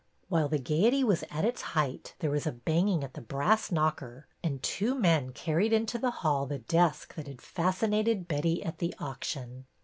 While the gayety was at its height there was a banging at the brass knocker and two men car ried into the hall the desk that had fascinated Betty at the auction.